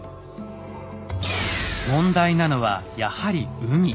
問題なのはやはり海。